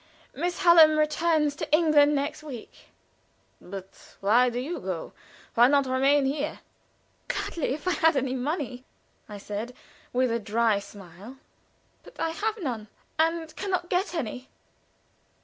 Miss Hallam returns to England next week." "But why do you go? Why not remain here?" "Gladly, if I had any money," I said, with a dry smile. "But I have none, and can not get any."